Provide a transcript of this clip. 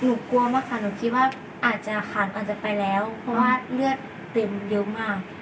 กลัวมากค่ะหนูคิดว่าอาจจะขาดอาจจะไปแล้วเพราะว่าเลือดเต็มเยอะมาก